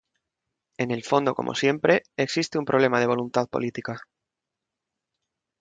En el fondo, como siempre, existe un problema de voluntad política.